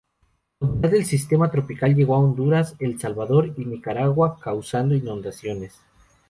La humedad del sistema tropical llegó a Honduras, El Salvador y Nicaragua, causando inundaciones.